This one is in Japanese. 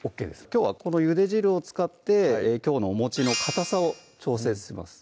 きょうはこのゆで汁を使ってきょうのおもちのかたさを調節します